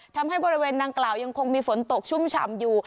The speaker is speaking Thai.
ทำให้บริเวณดังกล่าวยังคงมีฝนตกชุ่มฉ่ำอยู่